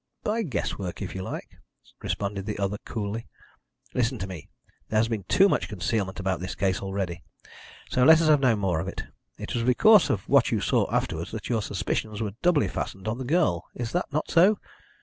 "By guess work, if you like," responded the other coolly. "Listen to me! There has been too much concealment about this case already, so let us have no more of it. It was because of what you saw afterwards that your suspicions were doubly fastened on the girl, is that not so?